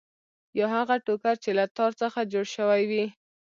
یا هغه ټوکر چې له تار څخه جوړ شوی وي.